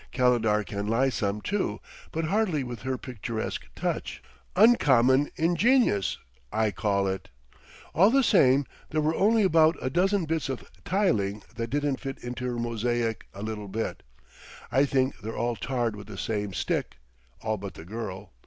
"Calendar can lie some, too; but hardly with her picturesque touch.... Uncommon ingenious, I call it. All the same, there were only about a dozen bits of tiling that didn't fit into her mosaic a little bit.... I think they're all tarred with the same stick all but the girl.